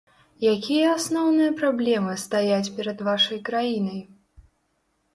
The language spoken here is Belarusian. Якія асноўныя праблемы стаяць перад вашай краінай?